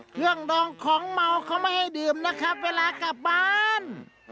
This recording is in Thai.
ดองของเมาเขาไม่ให้ดื่มนะครับเวลากลับบ้าน